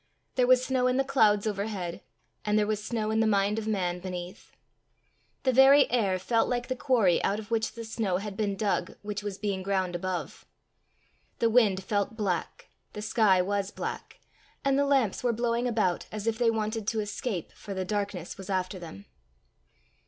There was snow in the clouds overhead, and there was snow in the mind of man beneath. The very air felt like the quarry out of which the snow had been dug which was being ground above. The wind felt black, the sky was black, and the lamps were blowing about as if they wanted to escape, for the darkness was after them.